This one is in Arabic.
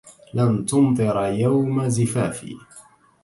لن تُمطِر يوم زفافي.